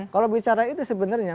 kalau bicara itu sebenarnya